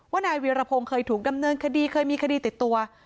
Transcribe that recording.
นายเวียรพงศ์เคยถูกดำเนินคดีเคยมีคดีติดตัว